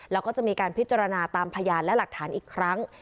แล้วก็จะมีการพิจารณาตามพยานและหลักฐานอีกครั้ง